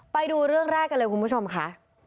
ไปดูเรื่องแรกกันเลยคุณผู้ชมค่ะ